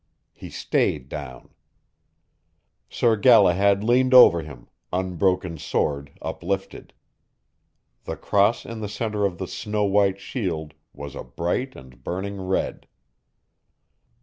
He stayed down. Sir Galahad leaned over him, unbroken sword uplifted. The cross in the center of the snow white shield was a bright and burning red.